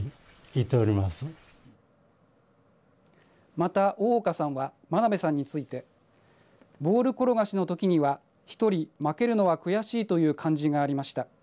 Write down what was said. また大岡さんは真鍋さんについてボール転がしのときには１人負けるのは悔しいという感じがありました。